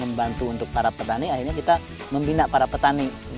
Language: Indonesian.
membantu untuk para petani akhirnya kita membina para petani